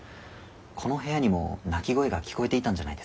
この部屋にも泣き声が聞こえていたんじゃないですか？